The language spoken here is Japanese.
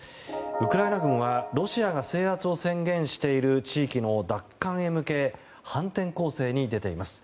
ウクライナ軍は、ロシアが制圧を宣言している地域の奪還へ向け反転攻勢に出ています。